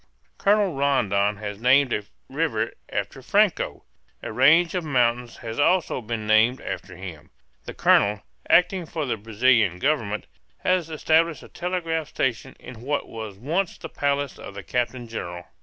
Colonel Rondon has named a river after Franco; a range of mountains has also been named after him; and the colonel, acting for the Brazilian Government, has established a telegraph station in what was once the palace of the captain general.